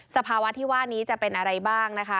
สภาวะที่ว่านี้จะเป็นอะไรบ้างนะคะ